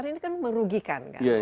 karena ini kan merugikan kan